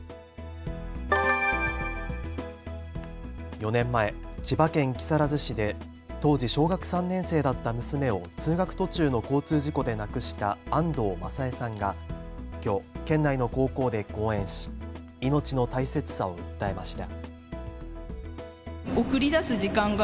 ４年前、千葉県木更津市で当時、小学３年生だった娘を通学途中の交通事故で亡くした安藤正恵さんがきょう県内の高校で講演し命の大切さを訴えました。